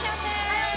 はい！